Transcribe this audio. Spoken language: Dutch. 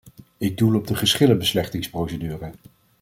Ik doel op de geschillenbeslechtingsprocedure.